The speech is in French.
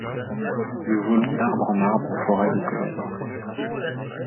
Nous volons d’arbre en arbre aux forêts de ténèbres ;